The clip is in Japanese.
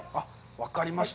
分かりました。